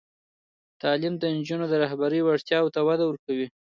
تعلیم د نجونو د رهبري وړتیاوو ته وده ورکوي.